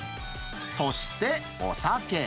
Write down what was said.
そしてお酒。